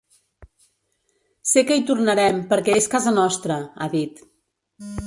Sé que hi tornarem perquè és casa nostra, ha dit.